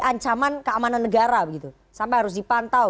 ancaman keamanan negara begitu sampai harus dipantau